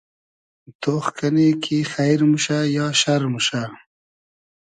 تۉخ کئنی کی خݷر موشۂ یا شئر موشۂ